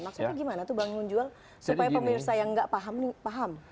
maksudnya gimana tuh bangun jual supaya pemirsa yang nggak paham nih paham